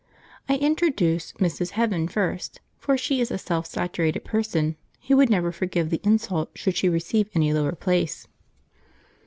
I introduce Mrs. Heaven first, for she is a self saturated person who would never forgive the insult should she receive any lower place.